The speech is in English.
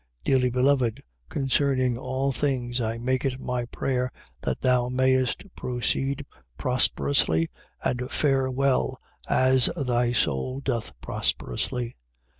1:2. Dearly beloved, concerning all things I make it my prayer that thou mayest proceed prosperously and fare well, as thy soul doth prosperously.